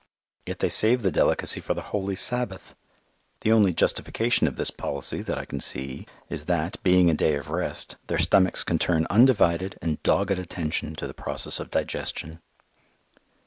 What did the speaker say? Yet they save the delicacy for the Holy Sabbath. The only justification of this policy that I can see is that, being a day of rest, their stomachs can turn undivided and dogged attention to the process of digestion.